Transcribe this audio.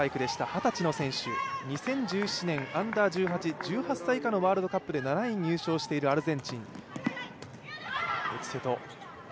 二十歳の選手、２０２０年のＵ−１８、１８歳以下のワールドカップで７位に入賞しているアルゼンチン。